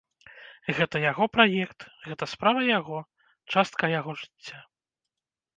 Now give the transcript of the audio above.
Гэта яго праект, гэта справа яго, частка яго жыцця.